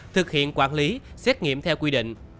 thực hiện quản lý xét nghiệm theo quy định